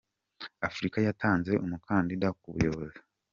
Afurika yatanze umukandida ku buyobozi